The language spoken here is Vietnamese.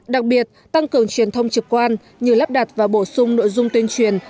đặc biệt tăng cường truyền thông trực quan như lắp đặt và bổ sung nội dung tuyên truyền